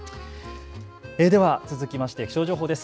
続きまして気象情報です。